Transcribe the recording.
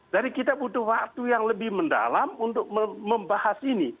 jadi kita butuh waktu yang lebih mendalam untuk membahas ini